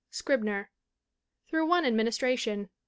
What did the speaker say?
Scribner. Through One Administration, 1883.